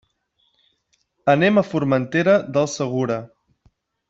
Anem a Formentera del Segura.